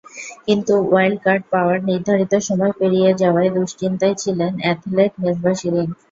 কিন্তু wild card পাওয়ার নির্ধারিত সময় পেরিয়ে যাওয়ায় দুশ্চিন্তায় ছিলেন অ্যাথলেট মেজবাহ-শিরীন।